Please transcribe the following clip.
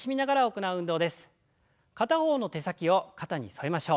片方の手先を肩に添えましょう。